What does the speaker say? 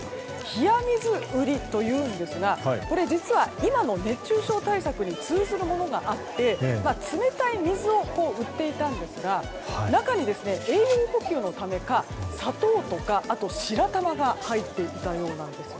冷や水売りというんですがこれ実は今の熱中症対策に通じるものがあって冷たい水を売っていたんですが中には、栄養補給のためか砂糖とかあとは白玉が入っていたようです。